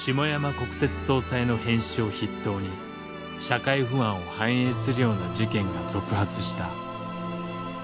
国鉄総裁の変死を筆頭に社会不安を反映するような事件が続発した。